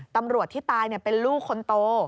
ตำรวจที่ตายเป็นลูกคนโต